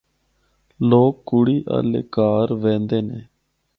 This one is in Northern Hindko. لوک کڑی آلے کہار ویندے نے۔